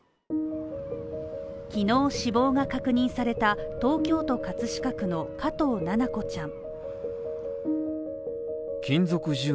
昨日、死亡が確認された東京都葛飾区の加藤七菜子ちゃん。